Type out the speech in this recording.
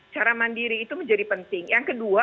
cara mandiri itu menjadi penting yang kedua